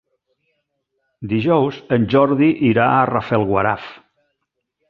Dijous en Jordi irà a Rafelguaraf.